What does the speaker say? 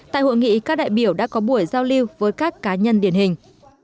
tại hội nghị các đại biểu đã có buổi giao lưu với các cá nhân điển hình